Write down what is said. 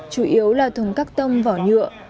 chủ yếu là thùng cắt tâm vỏ nhựa